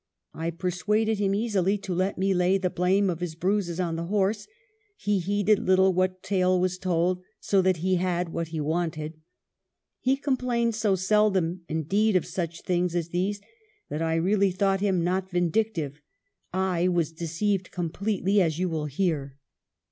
I persuaded him easily to let me lay the blame of his bruises on the horse : he heeded little what tale was told so that he had what he wanted. He complained so seldom, indeed, of such things as these that I really thought him not vindictive ; I was deceived completely, as you will hear."